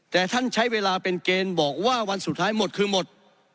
แต่ท่านใช้เวลาเป็นเกณฑ์บอกว่าวันสุดท้ายหมดคือหมด